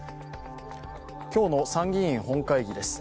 今日の参議院本会議です。